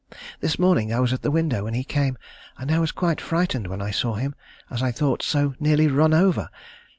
This morning I was at the window when he came, and I was quite frightened when I saw him, as I thought, so nearly run over.